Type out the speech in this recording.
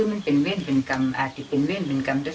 เลยผ่าเค้นเจ้าเข้ามาเป็นครับ